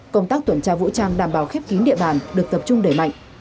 công tác tuần tra vũ trang đảm bảo khép kín địa bàn được tập trung đẩy mạnh